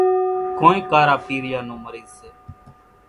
ڪونئين ڪارا پيريا نون مريض سي۔